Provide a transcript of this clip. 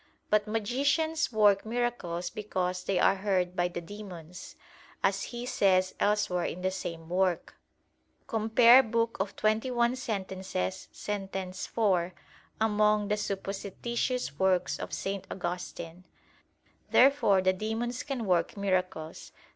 But magicians work miracles because they are "heard by the demons," as he says elsewhere in the same work [*Cf. Liber xxi, Sentent., sent. 4: among the supposititious works of St. Augustine]. Therefore the demons can work miracles.